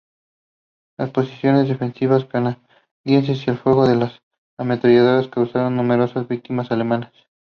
Las posiciones defensivas canadienses y el fuego de las ametralladoras causaron numerosas víctimas alemanas.